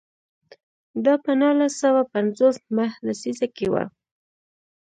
دا په نولس سوه پنځوس مه لسیزه کې و.